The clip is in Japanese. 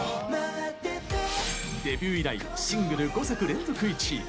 デビュー以来シングル５作連続１位。